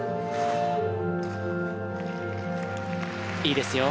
いいですよ。